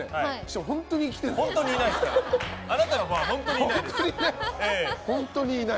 本当に来てない。